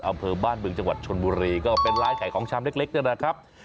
อำเภอบ้านบึงจังหวัดชนบุรีก็เป็นร้านขายของชามเล็กนะครับ